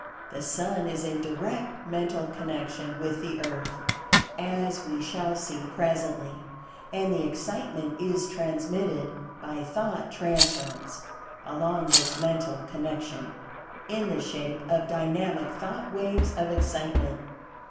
The Sun is in direct Mental Connection with the Earth (as we shall see presently) and the Excitement is transmitted by Thought Transference (along this Mental Connection) in the shape of Dynamic Thought waves of Excitement.